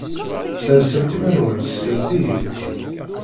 Ssersemt iman-nwent teslemt-iyi-d.